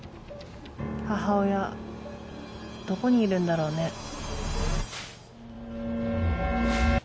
母親どこにいるんだろうね。